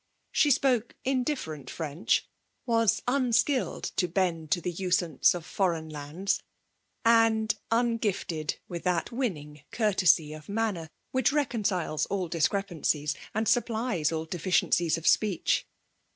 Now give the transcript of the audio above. She spoke indifferent French; was unskilled to bend to the usance of foreign lands, and un gifted with that winning courtesy of manner which reconciles all discrepancies and supplies all deficiencies of speech.